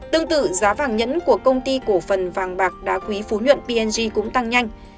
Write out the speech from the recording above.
tương tự giá vàng nhẫn của công ty cổ phần vàng bạc đá quý phú nhuận png cũng tăng nhanh